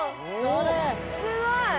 それ！